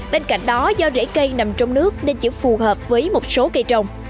bên cạnh đó do rễ cây nằm trong nước nên chỉ phù hợp với một số cây trồng